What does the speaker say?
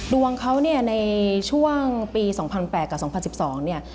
ดวงเขาในช่วงปี๒๐๐๘๒๐๑๒